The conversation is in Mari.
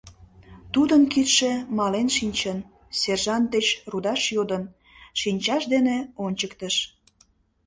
Тудын кидше мален шинчын, сержант деч рудаш йодын, шинчаж дене ончыктыш.